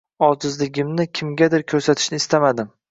Ojizligimni kimgadir ko‘rsatishni istamadim.